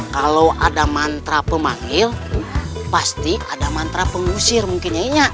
kalau ada mantra pemanggil pasti ada mantra pengusir mungkin ya